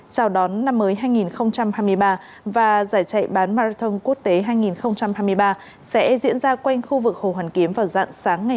chào đón năm mới hai nghìn hai mươi ba và giải chạy bán marathon quốc tế hai nghìn hai mươi ba sẽ diễn ra quanh khu vực hồ hoàn kiếm vào dạng sáng ngày một tháng một năm hai nghìn hai mươi ba